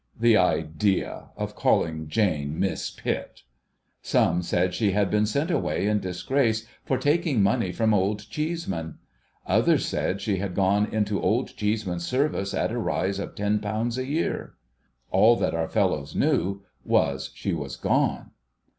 The idea of calling Jane, Miss Pitt ! Some said she had been sent away in disgrace for taking money from Old Cheeseman ; others said she had gone into Old Cheeseman's service at a rise of ten pounds a year. All that our fellows knew, was, she was gone.